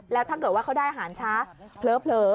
แล้วถ้าเกิดว่าเขาได้อาหารช้าเผลอ